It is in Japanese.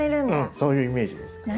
そういうイメージですね。